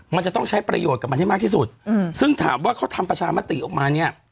มันจะต้องใช้ประโยชน์กับมันให้มากที่สุดซึ่งถามว่าเขาทำประชามติออกมาเนี่ย